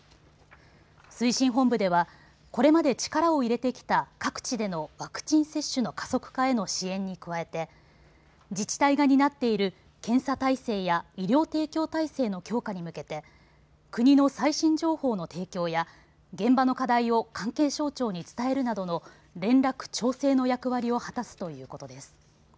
推進本部ではこれまで力を入れてきた各地でのワクチン接種の加速化への支援に加えて自治体が担っている検査体制や医療提供体制の強化に向けて国の最新情報の提供や現場の課題を関係省庁に伝えるなどの連絡調整の役割を果たすということです。